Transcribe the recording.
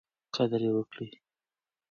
قدر یې وکړئ.